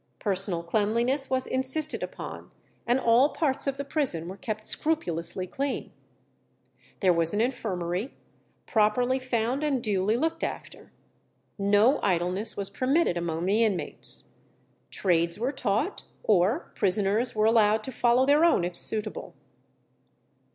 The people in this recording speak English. Personal cleanliness was insisted upon, and all parts of the prison were kept scrupulously clean. There was an infirmary, properly found and duly looked after. No idleness was permitted among the inmates. Trades were taught, or prisoners were allowed to follow their own if suitable.